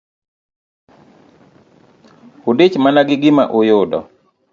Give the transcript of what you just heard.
Udich mana gi gima uyudo.